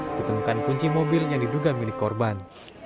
ditemukan kunci mobil yang diduga milik korban